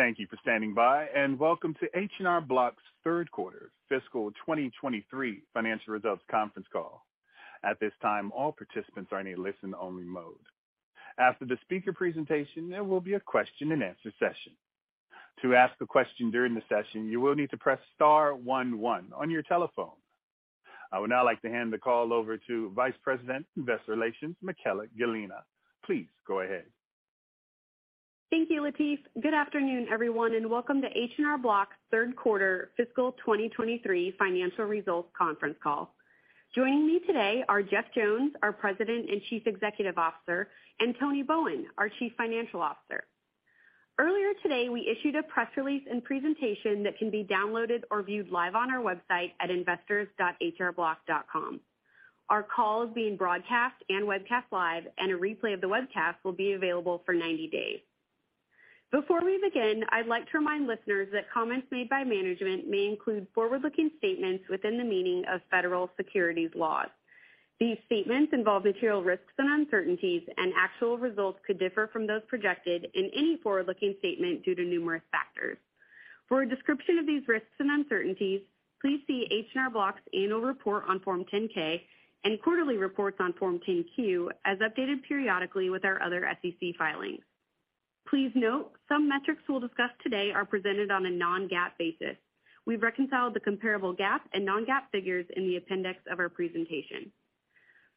Thank you for standing by, and welcome to H&R Block's Third Quarter Fiscal 2023 Financial Results Conference Call. At this time, all participants are in a listen-only mode. After the speaker presentation, there will be a question-and-answer session. To ask a question during the session, you will need to press star one one on your telephone. I would now like to hand the call over to Vice President, Investor Relations, Michaella Gallina. Please go ahead. Thank you, Latif. Good afternoon, everyone, welcome to H&R Block's third quarter fiscal 2023 financial results conference call. Joining me today are Jeff Jones, our President and Chief Executive Officer, and Tony Bowen, our Chief Financial Officer. Earlier today, we issued a press release and presentation that can be downloaded or viewed live on our website at investors.hrblock.com. Our call is being broadcast and webcast live, and a replay of the webcast will be available for 90 days. Before we begin, I'd like to remind listeners that comments made by management may include forward-looking statements within the meaning of federal securities laws. These statements involve material risks and uncertainties, and actual results could differ from those projected in any forward-looking statement due to numerous factors. For a description of these risks and uncertainties, please see H&R Block's annual report on Form 10-K and quarterly reports on Form 10-Q as updated periodically with our other SEC filings. Please note, some metrics we'll discuss today are presented on a non-GAAP basis. We've reconciled the comparable GAAP and non-GAAP figures in the appendix of our presentation.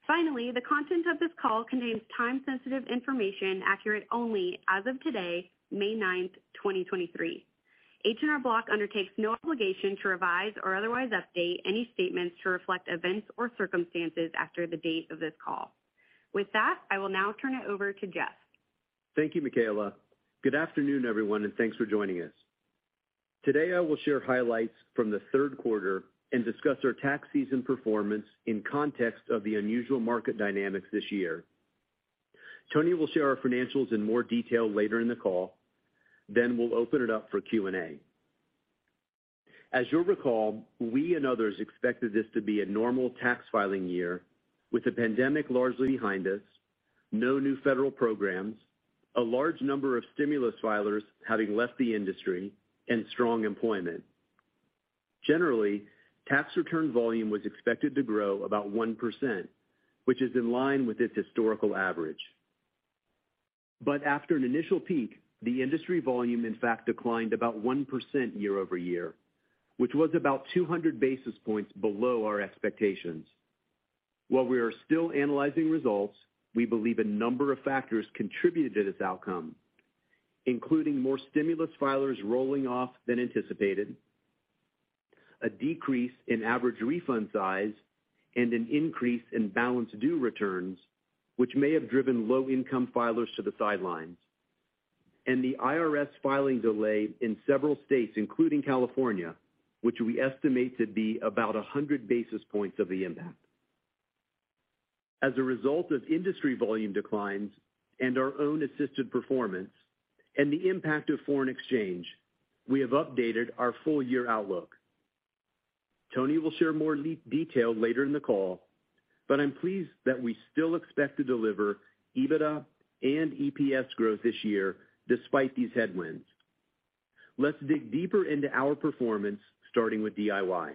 The content of this call contains time-sensitive information accurate only as of today, May 9th, 2023. H&R Block undertakes no obligation to revise or otherwise update any statements to reflect events or circumstances after the date of this call. With that, I will now turn it over to Jeff. Thank you, Michaella. Good afternoon, everyone, Thanks for joining us. Today, I will share highlights from the third quarter and discuss our tax season performance in context of the unusual market dynamics this year. Tony will share our financials in more detail later in the call. We'll open it up for Q&A. As you'll recall, we and others expected this to be a normal tax filing year with the pandemic largely behind us, no new federal programs, a large number of stimulus filers having left the industry and strong employment. Generally, tax return volume was expected to grow about 1%, which is in line with its historical average. After an initial peak, the industry volume, in fact, declined about 1% year-over-year, which was about 200 basis points below our expectations. While we are still analyzing results, we believe a number of factors contributed to this outcome, including more stimulus filers rolling off than anticipated, a decrease in average refund size and an increase in balance due returns, which may have driven low-income filers to the sidelines, and the IRS filing delay in several states, including California, which we estimate to be about 100 basis points of the impact. As a result of industry volume declines and our own assisted performance and the impact of foreign exchange, we have updated our full-year outlook. Tony will share more detail later in the call, but I'm pleased that we still expect to deliver EBITDA and EPS growth this year despite these headwinds. Let's dig deeper into our performance, starting with DIY.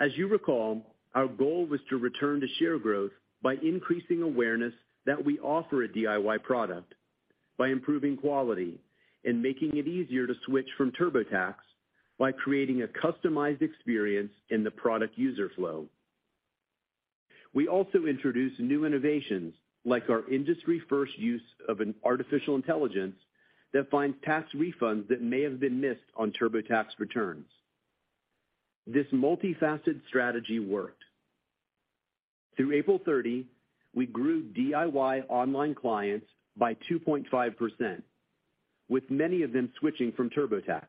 As you recall, our goal was to return to share growth by increasing awareness that we offer a DIY product by improving quality and making it easier to switch from TurboTax by creating a customized experience in the product user flow. We also introduced new innovations like our industry-first use of an artificial intelligence that finds tax refunds that may have been missed on TurboTax returns. This multifaceted strategy worked. Through April 30, we grew DIY online clients by 2.5%, with many of them switching from TurboTax.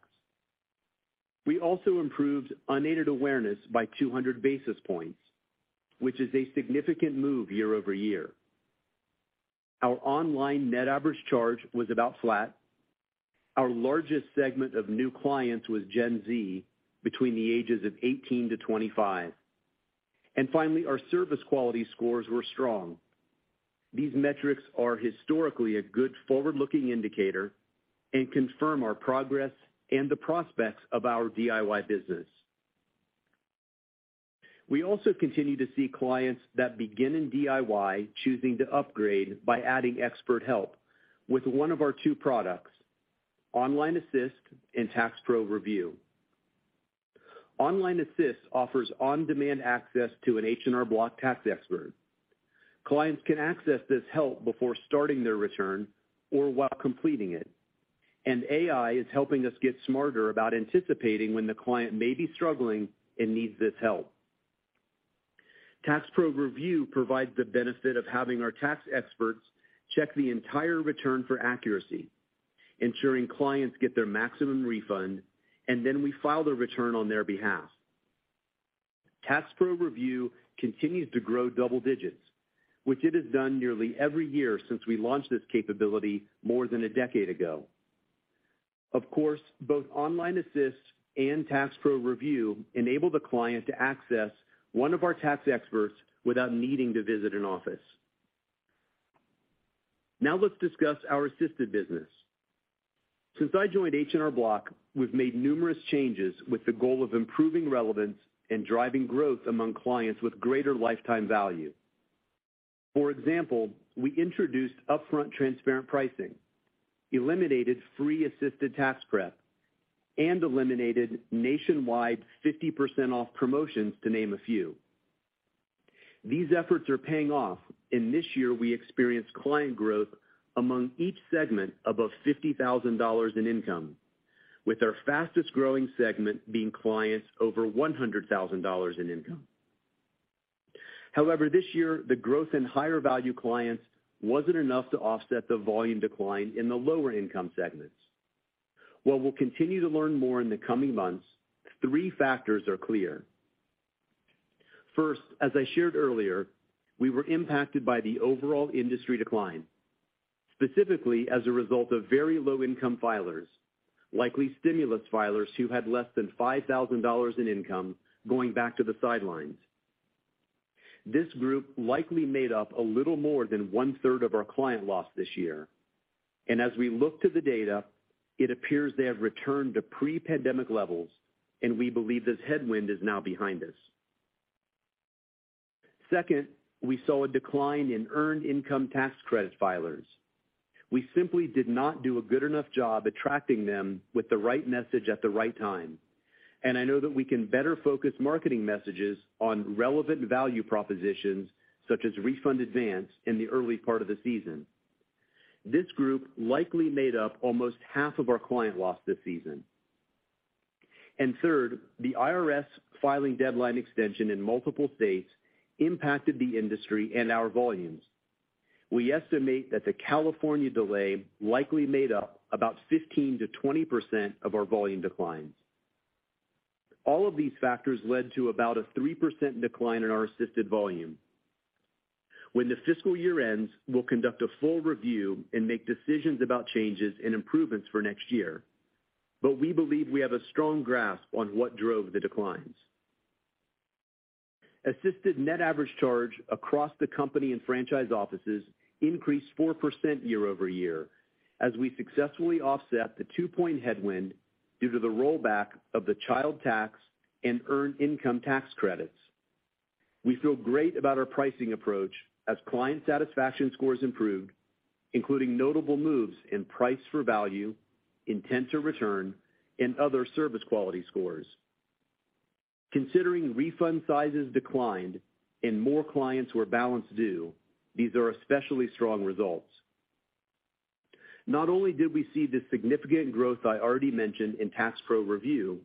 We also improved unaided awareness by 200 basis points, which is a significant move year over year. Our online net average charge was about flat. Our largest segment of new clients was Gen Z between the ages of 18 to 25. Finally, our service quality scores were strong. These metrics are historically a good forward-looking indicator and confirm our progress and the prospects of our DIY business. We also continue to see clients that begin in DIY choosing to upgrade by adding expert help with one of our two products, Online Assist and Tax Pro Review. Online Assist offers on-demand access to an H&R Block tax expert. Clients can access this help before starting their return or while completing it, AI is helping us get smarter about anticipating when the client may be struggling and needs this help. Tax Pro Review provides the benefit of having our tax experts check the entire return for accuracy, ensuring clients get their maximum refund. We file the return on their behalf. Tax Pro Review continues to grow double digits, which it has done nearly every year since we launched this capability more than a decade ago. Both Online Assist and Tax Pro Review enable the client to access one of our tax experts without needing to visit an office. Let's discuss our assisted business. Since I joined H&R Block, we've made numerous changes with the goal of improving relevance and driving growth among clients with greater lifetime value. We introduced upfront transparent pricing, eliminated free assisted tax prep, and eliminated nationwide 50% off promotions, to name a few. These efforts are paying off. This year we experienced client growth among each segment above $50,000 in income, with our fastest-growing segment being clients over $100,000 in income. This year the growth in higher-value clients wasn't enough to offset the volume decline in the lower income segments. While we'll continue to learn more in the coming months, three factors are clear. First, as I shared earlier, we were impacted by the overall industry decline, specifically as a result of very low-income filers, likely stimulus filers who had less than $5,000 in income going back to the sidelines. This group likely made up a little more than one-third of our client loss this year, and as we look to the data, it appears they have returned to pre-pandemic levels, and we believe this headwind is now behind us. Second, we saw a decline in Earned Income Tax Credit filers. We simply did not do a good enough job attracting them with the right message at the right time. I know that we can better focus marketing messages on relevant value propositions such as Refund Advance in the early part of the season. This group likely made up almost half of our client loss this season. Third, the IRS filing deadline extension in multiple states impacted the industry and our volumes. We estimate that the California delay likely made up about 15%-20% of our volume declines. All of these factors led to about a 3% decline in our assisted volume. When the fiscal year ends, we'll conduct a full review and make decisions about changes and improvements for next year, but we believe we have a strong grasp on what drove the declines. Assisted net average charge across the company and franchise offices increased 4% year-over-year as we successfully offset thetwo-point headwind due to the rollback of the Child Tax and Earned Income Tax Credits. We feel great about our pricing approach as client satisfaction scores improved, including notable moves in price for value, intent to return, and other service quality scores. Considering refund sizes declined and more clients were balance due, these are especially strong results. Not only did we see the significant growth I already mentioned in Tax Pro Review,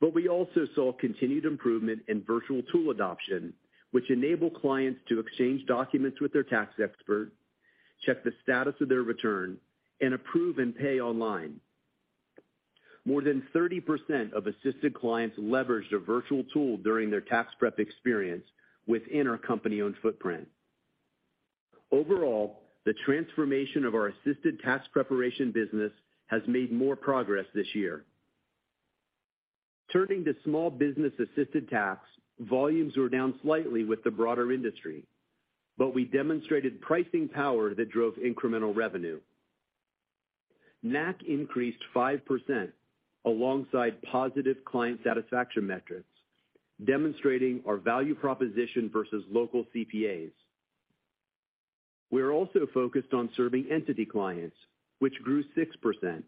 but we also saw continued improvement in virtual tool adoption, which enable clients to exchange documents with their tax expert, check the status of their return, and approve and pay online. More than 30% of assisted clients leveraged a virtual tool during their tax prep experience within our company-owned footprint. Overall, the transformation of our assisted tax preparation business has made more progress this year. Turning to small business-assisted tax, volumes were down slightly with the broader industry, but we demonstrated pricing power that drove incremental revenue. NAC increased 5% alongside positive client satisfaction metrics, demonstrating our value proposition versus local CPAs. We are also focused on serving entity clients, which grew 6%,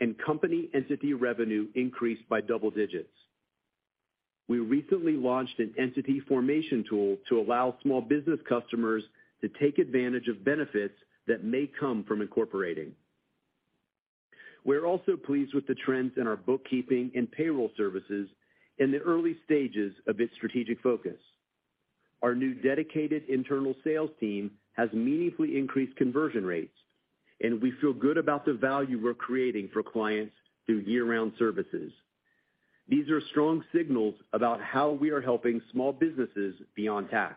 and company entity revenue increased by double digits. We recently launched an entity formation tool to allow small business customers to take advantage of benefits that may come from incorporating. We're also pleased with the trends in our bookkeeping and payroll services in the early stages of its strategic focus. Our new dedicated internal sales team has meaningfully increased conversion rates, and we feel good about the value we're creating for clients through year-round services. These are strong signals about how we are helping small businesses beyond tax.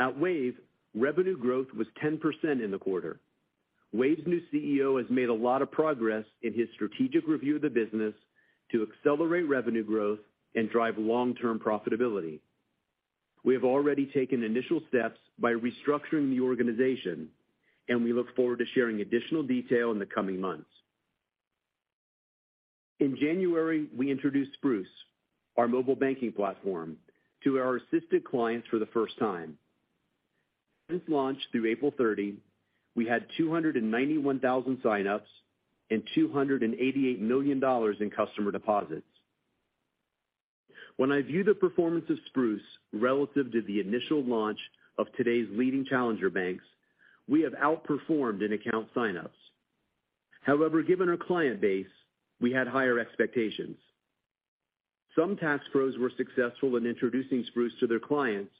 At Wave, revenue growth was 10% in the quarter. Wave's new CEO has made a lot of progress in his strategic review of the business to accelerate revenue growth and drive long-term profitability. We have already taken initial steps by restructuring the organization, and we look forward to sharing additional detail in the coming months. In January, we introduced Spruce, our mobile banking platform, to our assisted clients for the first time. Since launch through April 30, we had 291,000 sign-ups and $288 million in customer deposits. When I view the performance of Spruce relative to the initial launch of today's leading challenger banks, we have outperformed in account sign-ups. However, given our client base, we had higher expectations. Some Tax Pros were successful in introducing Spruce to their clients,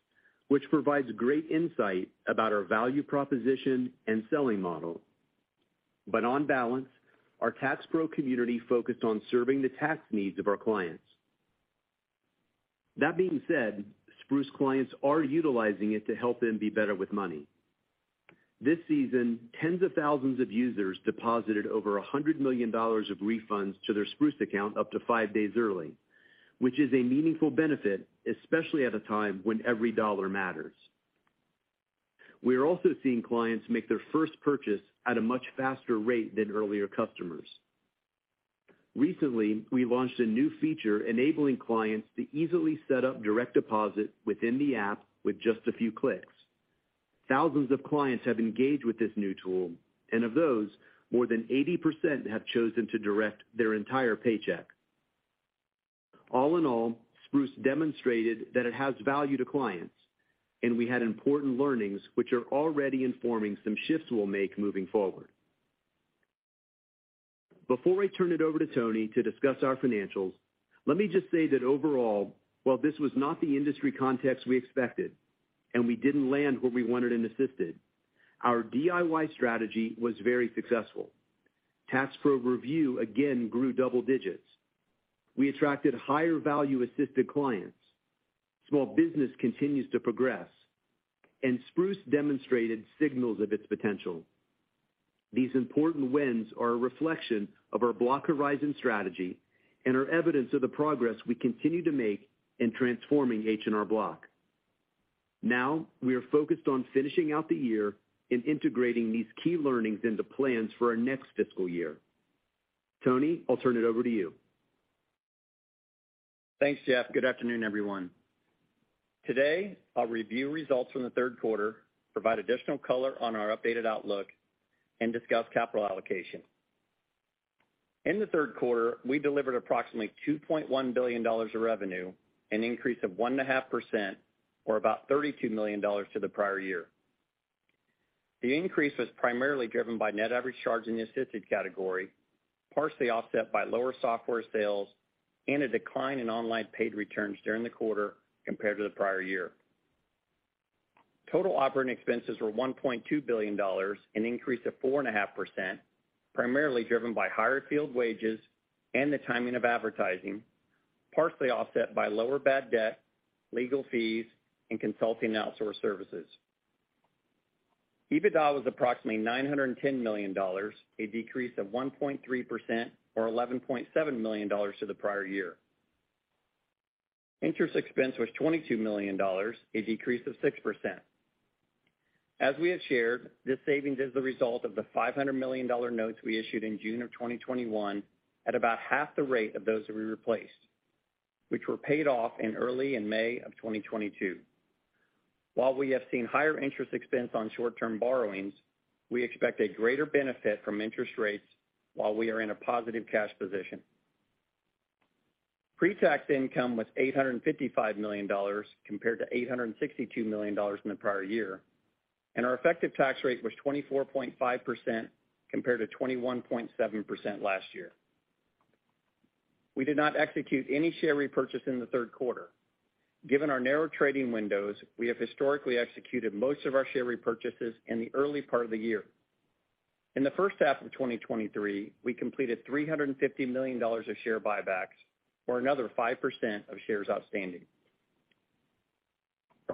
which provides great insight about our value proposition and selling model. On balance, our Tax Pro community focused on serving the tax needs of our clients. That being said, Spruce clients are utilizing it to help them be better with money. This season, tens of thousands of users deposited over $100 million of refunds to their Spruce account up to five days early, which is a meaningful benefit, especially at a time when every dollar matters. We're also seeing clients make their first purchase at a much faster rate than earlier customers. Recently, we launched a new feature enabling clients to easily set up direct deposit within the app with just a few clicks. Thousands of clients have engaged with this new tool, and of those, more than 80% have chosen to direct their entire paycheck. All in all, Spruce demonstrated that it has value to clients, and we had important learnings which are already informing some shifts we'll make moving forward. Before I turn it over to Tony to discuss our financials, let me just say that overall, while this was not the industry context we expected, and we didn't land where we wanted in Assisted, our DIY strategy was very successful. Tax Pro Review again grew double digits. We attracted higher value Assisted clients. Small business continues to progress, and Spruce demonstrated signals of its potential. These important wins are a reflection of our Block Horizon strategy and are evidence of the progress we continue to make in transforming H&R Block. Now, we are focused on finishing out the year and integrating these key learnings into plans for our next fiscal year. Tony, I'll turn it over to you. Thanks, Jeff. Good afternoon, everyone. Today, I'll review results from the third quarter, provide additional color on our updated outlook, and discuss capital allocation. In the third quarter, we delivered approximately $2.1 billion of revenue, an increase of 1.5% or about $32 million to the prior year. The increase was primarily driven by net average charge in the Assisted category, partially offset by lower software sales and a decline in online paid returns during the quarter compared to the prior year. Total operating expenses were $1.2 billion, an increase of 4.5%, primarily driven by higher field wages and the timing of advertising, partially offset by lower bad debt, legal fees, and consulting outsource services. EBITDA was approximately $910 million, a decrease of 1.3% or $11.7 million to the prior year. Interest expense was $22 million, a decrease of 6%. As we have shared, this savings is the result of the $500 million notes we issued in June 2021 at about half the rate of those that we replaced, which were paid off in early May 2022. While we have seen higher interest expense on short-term borrowings, we expect a greater benefit from interest rates while we are in a positive cash position. Pre-tax income was $855 million, compared to $862 million in the prior year. Our effective tax rate was 24.5%, compared to 21.7% last year. We did not execute any share repurchase in the third quarter. Given our narrow trading windows, we have historically executed most of our share repurchases in the early part of the year. In the first half of 2023, we completed $350 million of share buybacks or another 5% of shares outstanding.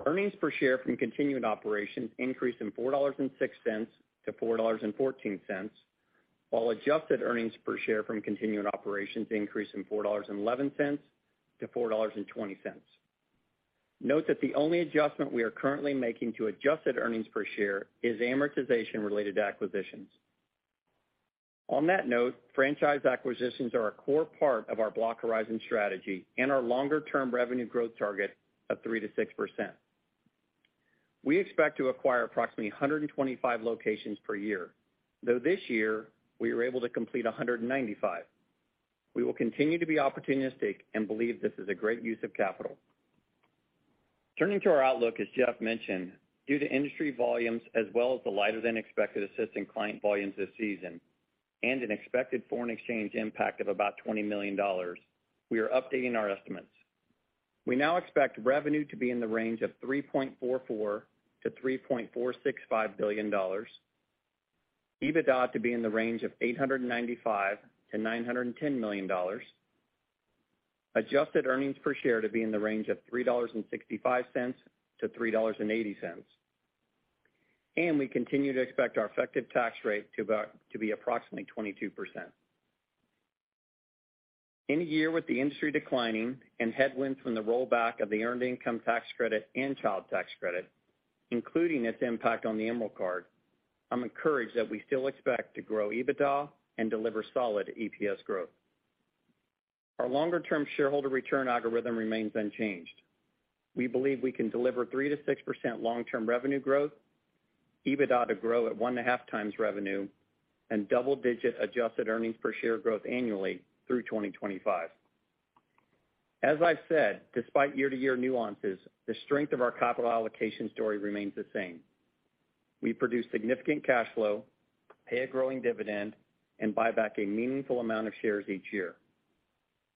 Earnings per share from continuing operations increased from $4.06 to $4.14, while adjusted earnings per share from continuing operations increased from $4.11 to $4.20. Note that the only adjustment we are currently making to adjusted earnings per share is amortization related to acquisitions. On that note, franchise acquisitions are a core part of our Block Horizon strategy and our longer-term revenue growth target of 3% to 6%. We expect to acquire approximately 125 locations per year, though this year, we were able to complete 195. We will continue to be opportunistic and believe this is a great use of capital. Turning to our outlook, as Jeff mentioned, due to industry volumes as well as the lighter-than-expected Assisted client volumes this season, and an expected foreign exchange impact of about $20 million, we are updating our estimates. We now expect revenue to be in the range of $3.44 billion-$3.465 billion, EBITDA to be in the range of $895 million-$910 million, adjusted EPS to be in the range of $3.65-$3.80, We continue to expect our effective tax rate to be approximately 22%. In a year with the industry declining and headwinds from the rollback of the Earned Income Tax Credit and Child Tax Credit, including its impact on the Emerald Card, I'm encouraged that we still expect to grow EBITDA and deliver solid EPS growth. Our longer-term shareholder return algorithm remains unchanged. We believe we can deliver 3% to 6% long-term revenue growth, EBITDA to grow at 1.5x revenue, and double-digit adjusted earnings per share growth annually through 2025. As I've said, despite year-to-year nuances, the strength of our capital allocation story remains the same. We produce significant cash flow, pay a growing dividend, and buy back a meaningful amount of shares each year.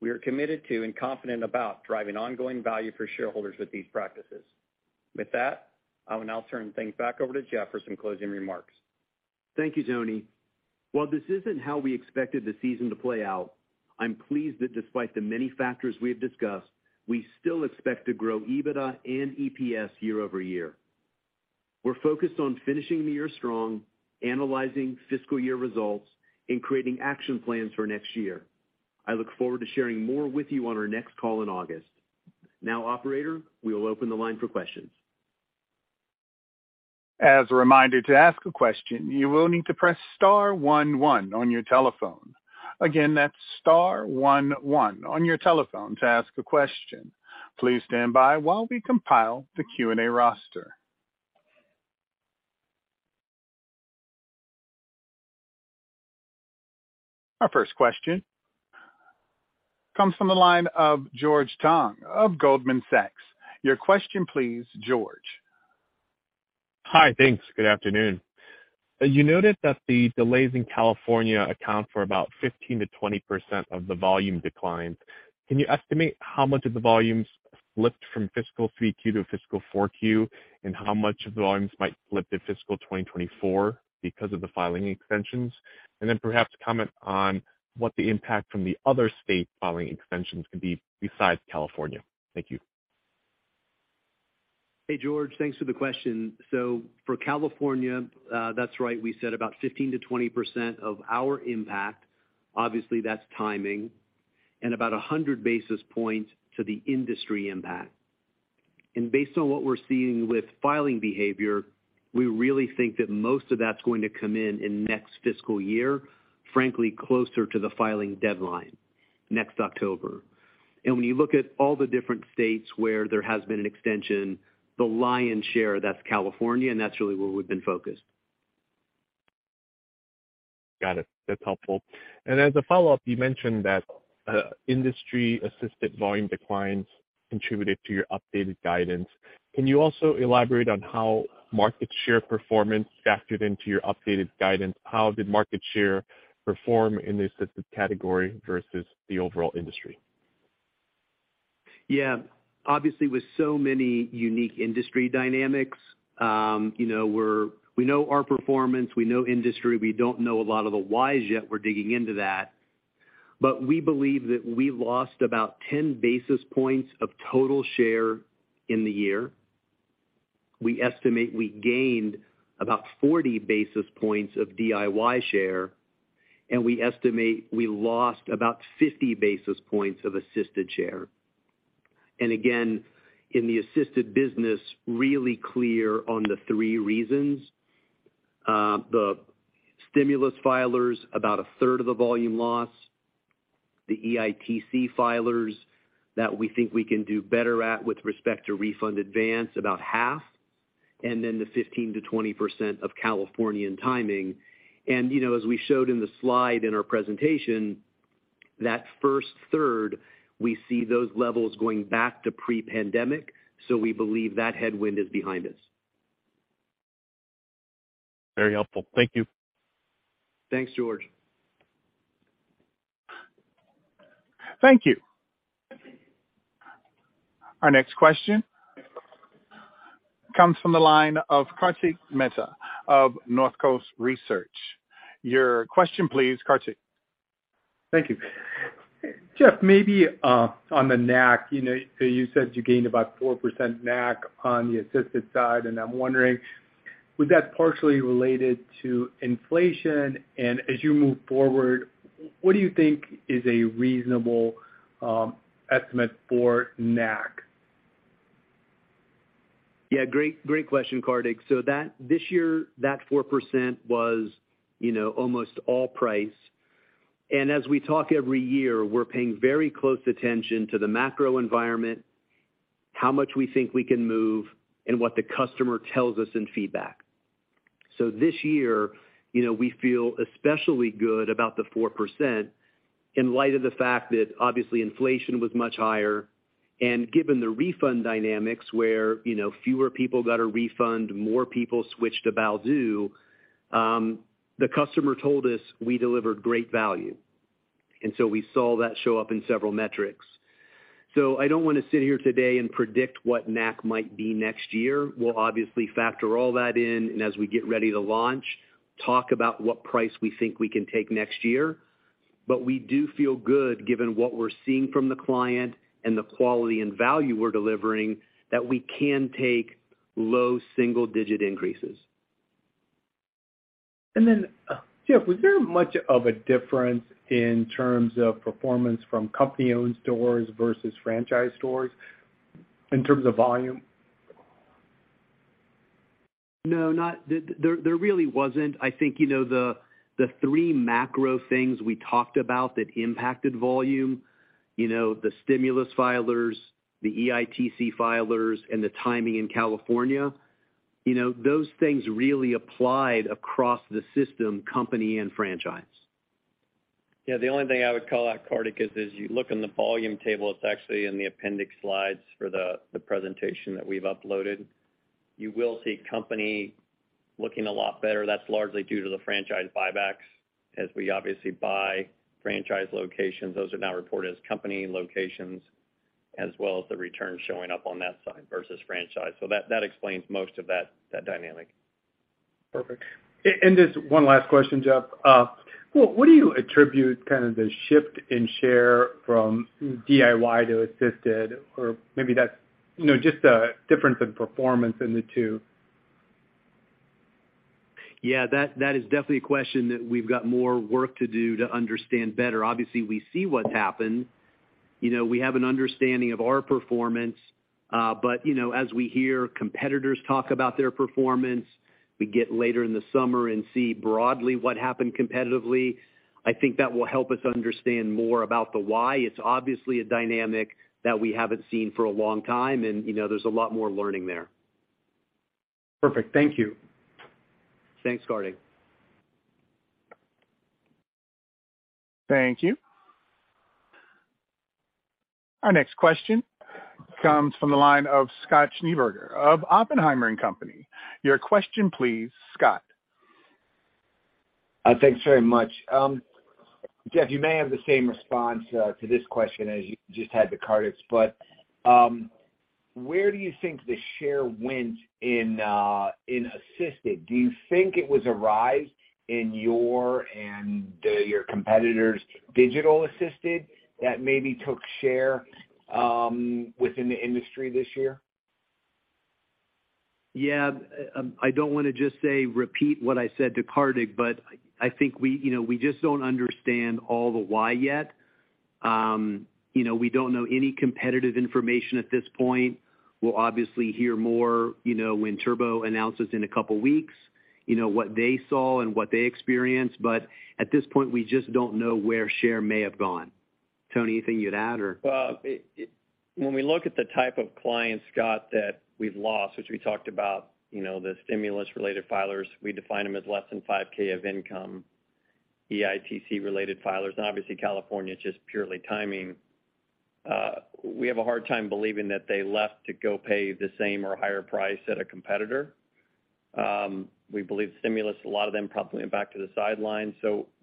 We are committed to and confident about driving ongoing value for shareholders with these practices. With that, I will now turn things back over to Jeff for some closing remarks. Thank you, Tony. While this isn't how we expected the season to play out, I'm pleased that despite the many factors we have discussed, we still expect to grow EBITDA and EPS year-over-year. We're focused on finishing the year strong, analyzing fiscal year results, and creating action plans for next year. I look forward to sharing more with you on our next call in August. Operator, we will open the line for questions. As a reminder, to ask a question, you will need to press star one one on your telephone. Again, that's star one one on your telephone to ask a question. Please stand by while we compile the Q&A roster. Our first question comes from the line of George Tong of Goldman Sachs. Your question please, George. Hi. Thanks. Good afternoon. You noted that the delays in California account for about 15% to 20% of the volume declines. Can you estimate how much of the volumes flipped from fiscal 3Q to fiscal 4Q, and how much of the volumes might flip to fiscal 2024 because of the filing extensions? Perhaps comment on what the impact from the other state filing extensions could be besides California. Thank you. Hey, George. Thanks for the question. For California, that's right. We said about 15% to 20% of our impact. Obviously, that's timing. About 100 basis points to the industry impact. Based on what we're seeing with filing behavior, we really think that most of that's going to come in in next fiscal year, frankly closer to the filing deadline next October. When you look at all the different states where there has been an extension, the lion's share, that's California, and that's really where we've been focused. Got it. That's helpful. As a follow-up, you mentioned that industry-assisted volume declines contributed to your updated guidance. Can you also elaborate on how market share performance factored into your updated guidance? How did market share perform in the assisted category versus the overall industry? Yeah. Obviously, with so many unique industry dynamics, you know, we know our performance, we know industry. We don't know a lot of the whys yet. We're digging into that. We believe that we lost about 10 basis points of total share in the year. We estimate we gained about 40 basis points of DIY share, and we estimate we lost about 50 basis points of assisted share. Again, in the assisted business, really clear on the three reasons. The stimulus filers, about a third of the volume loss, the EITC filers that we think we can do better at with respect to refund advance, about half, and then the 15% to 20% of Californian timing. You know, as we showed in the slide in our presentation, that first third, we see those levels going back to pre-pandemic. We believe that headwind is behind us. Very helpful. Thank you. Thanks, George. Thank you. Our next question comes from the line of Kartik Mehta of Northcoast Research. Your question please, Kartik. Thank you. Jeff, maybe on the NAC, you know, you said you gained about 4% NAC on the assisted side, and I'm wondering, was that partially related to inflation? As you move forward, what do you think is a reasonable estimate for NAC? Great question, Kartik. This year, that 4% was, you know, almost all price. As we talk every year, we're paying very close attention to the macro environment, how much we think we can move, and what the customer tells us in feedback. This year, you know, we feel especially good about the 4% in light of the fact that obviously inflation was much higher. Given the refund dynamics where, you know, fewer people got a refund, more people switched to bal due, the customer told us we delivered great value. We saw that show up in several metrics. I don't wanna sit here today and predict what NAC might be next year. We'll obviously factor all that in, and as we get ready to launch, talk about what price we think we can take next year. We do feel good given what we're seeing from the client and the quality and value we're delivering that we can take low single-digit increases. Then, Jeff, was there much of a difference in terms of performance from company-owned stores versus franchise stores in terms of volume? There really wasn't. I think, you know, the three macro things we talked about that impacted volume, you know, the stimulus filers, the EITC filers, and the timing in California. You know, those things really applied across the system, company and franchise. Yeah. The only thing I would call out Kartik is you look in the volume table, it's actually in the appendix slides for the presentation that we've uploaded. You will see company looking a lot better. That's largely due to the franchise buybacks. We obviously buy franchise locations, those are now reported as company locations. As well as the return showing up on that side versus franchise. That explains most of that dynamic. Perfect. Just one last question, Jeff. What do you attribute kind of the shift in share from DIY to assisted? Maybe that's, you know, just the difference in performance in the two. Yeah. That is definitely a question that we've got more work to do to understand better. Obviously, we see what's happened. You know, we have an understanding of our performance. You know, as we hear competitors talk about their performance, we get later in the summer and see broadly what happened competitively, I think that will help us understand more about the why. It's obviously a dynamic that we haven't seen for a long time and, you know, there's a lot more learning there. Perfect. Thank you. Thanks, Kartik. Thank you. Our next question comes from the line of Scott Schneeberger of Oppenheimer & Company. Your question please, Scott. Thanks very much. Jeff, you may have the same response to this question as you just had to Kartik's. Where do you think the share went in assisted? Do you think it was a rise in your and your competitors' digital assisted that maybe took share within the industry this year? Yeah. I don't wanna just say repeat what I said to Kartik, but I think we, you know, we just don't understand all the why yet. You know, we don't know any competitive information at this point. We'll obviously hear more, you know, when TurboTax announces in a couple weeks, you know, what they saw and what they experienced. At this point, we just don't know where share may have gone. Tony, anything you'd add or? When we look at the type of clients, Scott, that we've lost, which we talked about, you know, the stimulus related filers, we define them as less than 5K of income, EITC related filers, and obviously California, just purely timing, we have a hard time believing that they left to go pay the same or higher price at a competitor. We believe stimulus, a lot of them probably went back to the sidelines.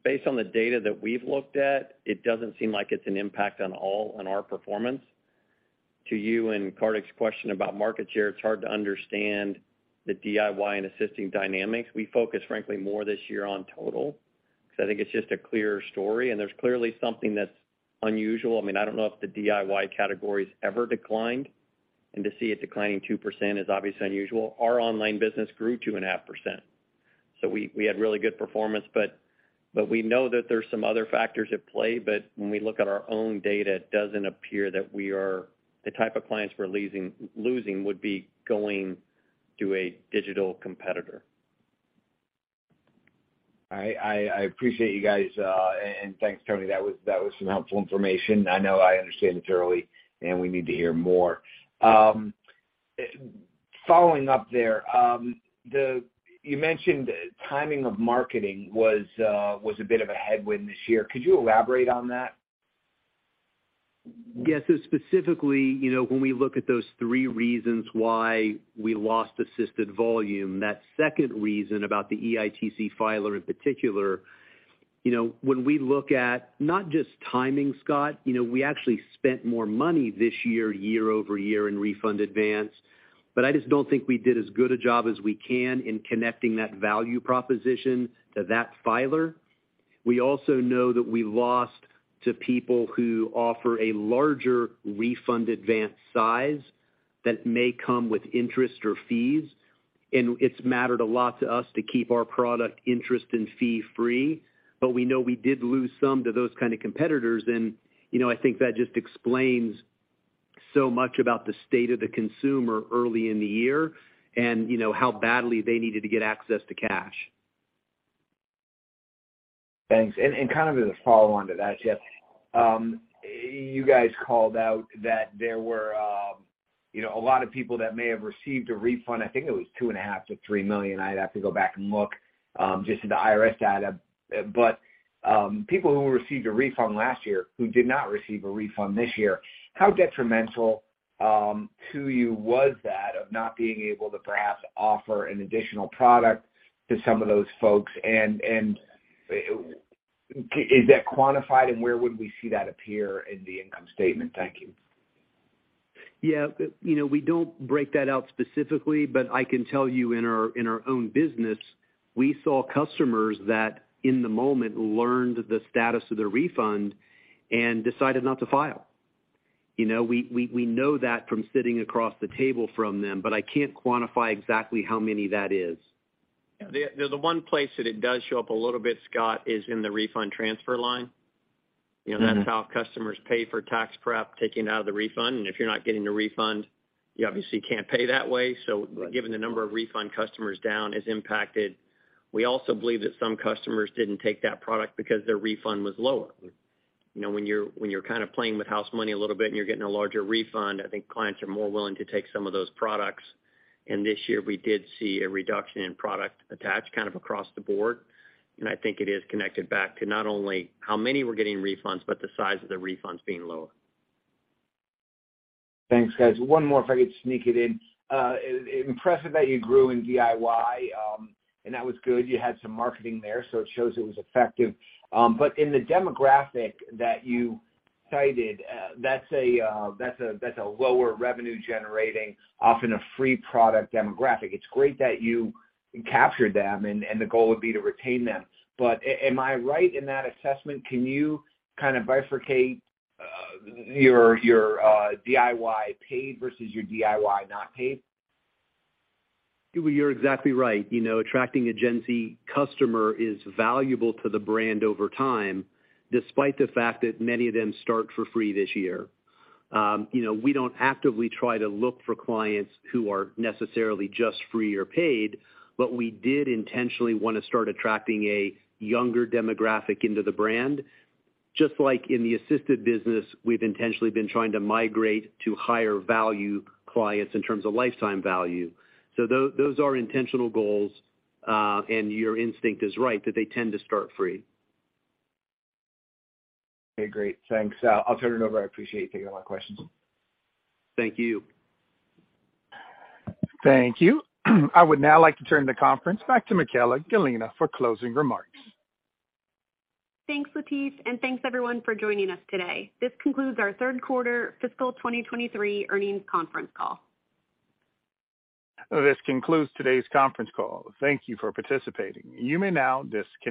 Based on the data that we've looked at, it doesn't seem like it's an impact on all on our performance. To you and Kartik's question about market share, it's hard to understand the DIY and assisted dynamics. We focus frankly more this year on total, 'cause I think it's just a clearer story, and there's clearly something that's unusual. I mean, I don't know if the DIY category's ever declined. To see it declining 2% is obviously unusual. Our online business grew 2.5%. We had really good performance, but we know that there's some other factors at play. When we look at our own data, it doesn't appear that the type of clients we're leasing, losing would be going to a digital competitor. I appreciate you guys, and thanks, Tony. That was some helpful information. I know I understand it's early, and we need to hear more. Following up there, you mentioned timing of marketing was a bit of a headwind this year. Could you elaborate on that? Specifically, you know, when we look at those three reasons why we lost assisted volume, that second reason about the EITC filer in particular, you know, when we look at not just timing, Scott, you know, we actually spent more money this year-over-year in Refund Advance, but I just don't think we did as good a job as we can in connecting that value proposition to that filer. We also know that we lost to people who offer a larger Refund Advance size that may come with interest or fees, and it's mattered a lot to us to keep our product interest and fee free. We know we did lose some to those kind of competitors. You know, I think that just explains so much about the state of the consumer early in the year and, you know, how badly they needed to get access to cash. Thanks. Kind of as a follow-on to that, Jeff, you guys called out that there were, you know, a lot of people that may have received a refund, I think it was $2.5 million to $3 million. I'd have to go back and look, just to the IRS data. People who received a refund last year who did not receive a refund this year, how detrimental to you was that of not being able to perhaps offer an additional product to some of those folks? Is that quantified, and where would we see that appear in the income statement? Thank you. Yeah. You know, we don't break that out specifically, but I can tell you in our, in our own business, we saw customers that in the moment learned the status of their refund and decided not to file. You know, we know that from sitting across the table from them, but I can't quantify exactly how many that is. The one place that it does show up a little bit, Scott, is in the Refund Transfer line. You know, that's how customers pay for tax prep, taking it out of the refund. If you're not getting the refund, you obviously can't pay that way. Given the number of refund customers down has impacted. We also believe that some customers didn't take that product because their refund was lower. You know, when you're, when you're kind of playing with house money a little bit and you're getting a larger refund, I think clients are more willing to take some of those products. This year, we did see a reduction in product attached kind of across the board. I think it is connected back to not only how many were getting refunds, but the size of the refunds being lower. Thanks, guys. One more if I could sneak it in. Impressive that you grew in DIY, and that was good. You had some marketing there, so it shows it was effective. In the demographic that you cited, that's a, that's a lower revenue generating, often a free product demographic. It's great that you captured them, and the goal would be to retain them. Am I right in that assessment? Can you kind of bifurcate, your DIY paid versus your DIY not paid? You're exactly right. You know, attracting a Gen Z customer is valuable to the brand over time, despite the fact that many of them start for free this year. You know, we don't actively try to look for clients who are necessarily just free or paid, but we did intentionally wanna start attracting a younger demographic into the brand. Just like in the assisted business, we've intentionally been trying to migrate to higher value clients in terms of lifetime value. Those are intentional goals, and your instinct is right, that they tend to start free. Okay, great. Thanks. I'll turn it over. I appreciate you taking all my questions. Thank you. Thank you. I would now like to turn the conference back to Michaella Gallina for closing remarks. Thanks, Latif, and thanks everyone for joining us today. This concludes our third quarter fiscal 2023 earnings conference call. This concludes today's conference call. Thank you for participating. You may now disconnect.